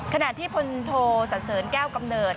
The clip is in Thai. ขณะที่พลโทสันเสริญแก้วกำเนิด